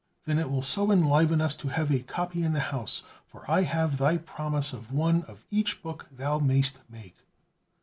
Then it will so enliven us to have a copy in the house, for I have thy promise of one of each book thou mayst make."